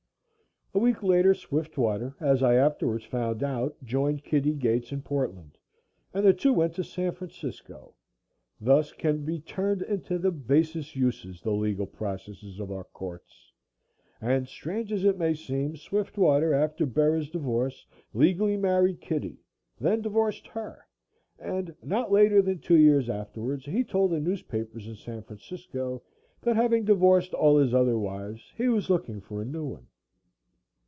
A week later Swiftwater, as I afterwards found out, joined Kitty Gates in Portland and the two went to San Francisco. Thus can be turned into the basest uses the legal processes of our courts and, strange as it may seem, Swiftwater, after Bera's divorce, legally married Kitty, then divorced her, and not later than two years afterwards he told the newspapers in San Francisco, that having divorced all his other wives, he was looking for a new one.